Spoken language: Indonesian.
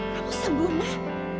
kamu sembuh mas